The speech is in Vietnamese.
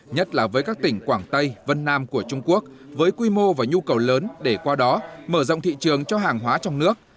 nhất là với các tỉnh quảng tây vân nam của trung quốc với quy mô và nhu cầu lớn để qua đó mở rộng thị trường cho hàng hóa trong nước